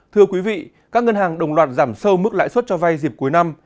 thưa quý vị các ngân hàng đồng loạt giảm sâu mức lãi suất cho vay dịp cuối năm